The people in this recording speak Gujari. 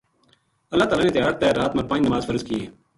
اللہ تعالی نے تیہاڑ تے رات ما پنج نماز فرض کی ہیں۔